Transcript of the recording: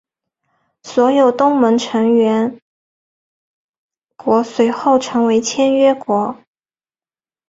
所有东盟成员国随后成为签约国。